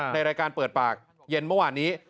ในรายการเปิดปากเย็นเมื่อวานนี้